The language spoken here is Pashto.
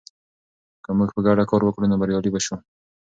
که موږ په ګډه کار وکړو، نو بریالي به شو.